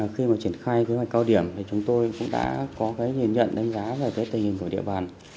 khi mà triển khai kế hoạch cao điểm thì chúng tôi cũng đã có cái nhìn nhận đánh giá về cái tình hình của địa bàn